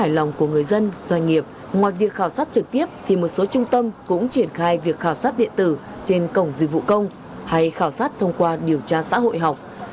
hài lòng của người dân doanh nghiệp ngoài việc khảo sát trực tiếp thì một số trung tâm cũng triển khai việc khảo sát điện tử trên cổng dịch vụ công hay khảo sát thông qua điều tra xã hội học